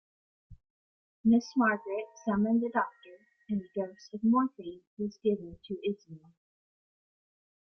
Mrs Margaret summoned a doctor and a dose of morphine was given to Ismay.